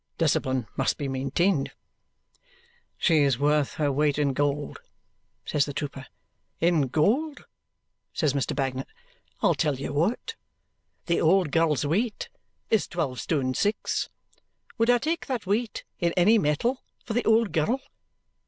Discipline must be maintained." "She's worth her weight in gold," says the trooper. "In gold?" says Mr. Bagnet. "I'll tell you what. The old girl's weight is twelve stone six. Would I take that weight in any metal for the old girl?